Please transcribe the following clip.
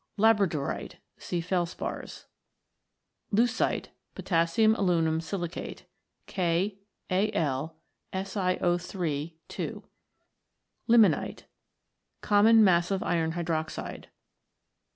Labradorite. See Felspars. Leucite. Potassium aluminium silicate, KAl(Si0 3 ) 2 . Limonite. Common massive iron hydroxide.